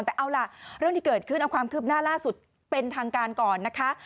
แต่เอาล่ะเรื่องที่เกิดขึ้นเอาความคืบหน้าล่าสุดเป็นทางการก่อนนะคะ